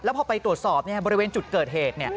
พอไปตรวจสอบบริเวณจุดเกิดเหตุ